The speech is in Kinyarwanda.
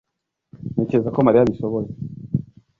Ntekereza ko mariya abishoboye